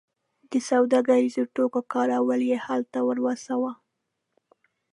د سوداګریزو توکو کاروان یې هلته ورساوو.